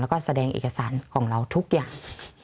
แล้วก็แสดงเอกสารของเราทุกอย่าง